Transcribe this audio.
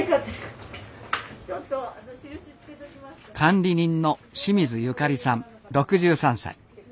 管理人の清水ゆかりさん６３歳。